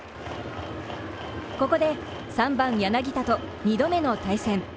ここで３番・柳田と２度目の対戦。